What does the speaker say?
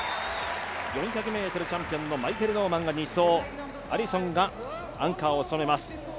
４００ｍチャンピオンのマイケル・ノーマンが２走、アリソンがアンカーを務めます。